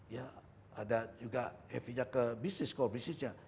ya ada juga efisiennya ke bisnis ko bisnisnya